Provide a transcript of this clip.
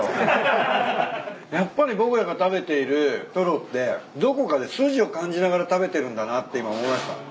やっぱり僕らが食べているとろってどこかで筋を感じながら食べてるんだなって今思いました。